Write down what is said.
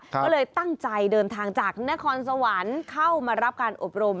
ก็เลยตั้งใจเดินทางจากนครสวรรค์เข้ามารับการอบรม